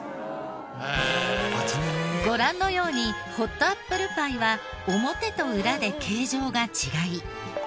ご覧のようにホットアップルパイは表と裏で形状が違い。